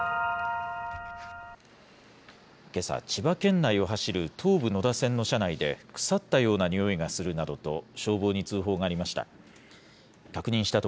けさ、千葉県内を走る東武野田線の車内で、腐ったようなにおいがするなどと、消防に通報がありました。